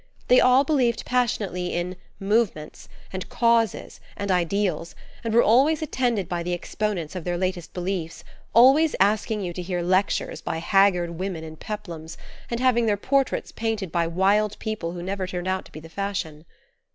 They all believed passionately in "movements" and "causes" and "ideals," and were always attended by the exponents of their latest beliefs, always asking you to hear lectures by haggard women in peplums, and having their portraits painted by wild people who never turned out to be the fashion.